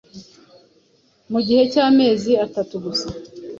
mu gihe cy’amezi atatu gusa